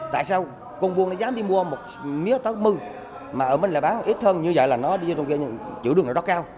tại sao công vương nó dám đi mua một mía tớ một mươi mà ở bên lại bán ít hơn như vậy là nó đi vô trong kia chữ đường đó cao